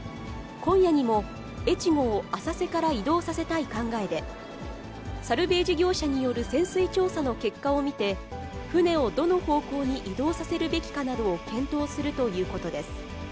今夜にもえちごを浅瀬から移動させたい考えで、サルベージ業者による潜水調査の結果を見て、船をどの方向に移動させるべきかなどを検討するということです。